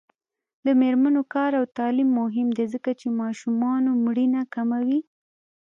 د میرمنو کار او تعلیم مهم دی ځکه چې ماشومانو مړینه کموي.